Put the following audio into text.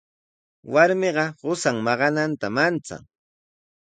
Warmiqa qusan maqananta manchan.